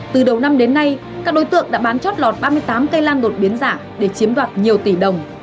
từ đầu năm đến nay các đối tượng đã bán chót lọt ba mươi tám cây lan đột biến giả để chiếm đoạt nhiều tỷ đồng